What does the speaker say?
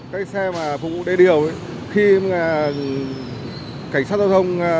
cái xe mà phụ đề điều khi cảnh sát giao thông